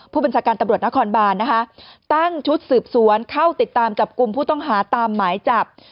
ผู้บัญชาการตำรวจนครบานนะคะตั้งชุดสืบสวนเข้าติดตามจับกลุ่มผู้ต้องหาตามหมายจับ